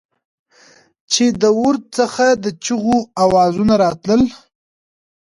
چې د ورد څخه د چېغو اوزونه راتلل.